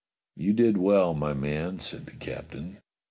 "You did well, my man," said the captain.